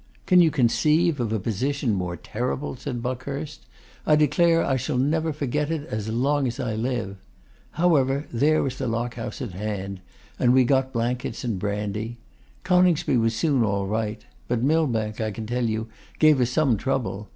'Can you conceive a position more terrible?' said Buckhurst. 'I declare I shall never forget it as long as I live. However, there was the Lock House at hand; and we got blankets and brandy. Coningsby was soon all right; but Millbank, I can tell you, gave us some trouble.